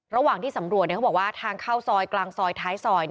ระหว่างที่สำรวจเขาบอกว่าทางเข้าซอยกลางซอยท้ายซอย